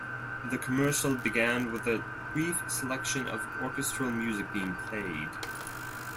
The commercial began with a brief selection of orchestral music being played.